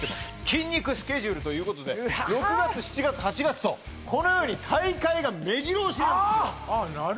「筋肉スケジュール」ということで６月７月８月とこのように大会がめじろ押しなんですよああ